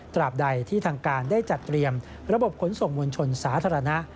บใดที่ทางการได้จัดเตรียมระบบขนส่งมวลชนสาธารณะ